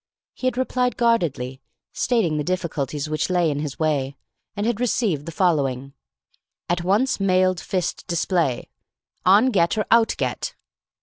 He had replied guardedly, stating the difficulties which lay in his way, and had received the following: "At once mailed fist display. On Get or out Get.